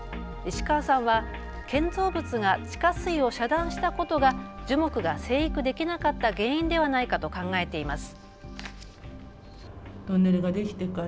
石川さんは建造物が地下水を遮断したことが樹木が成育できなかった原因ではないかと考えています。